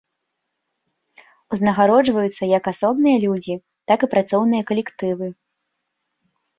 Узнагароджваюцца як асобныя людзі, так і працоўныя калектывы.